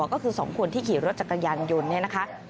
ก็คือสองคนที่ขี่รถจากกระยันยนต์นี่นะคะ